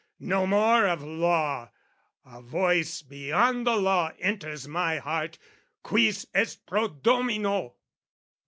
No more of law; a voice beyond the law Enters my heart, Quis est pro Domino?